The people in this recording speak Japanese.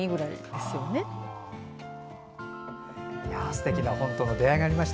すてきな本との出会いがありました。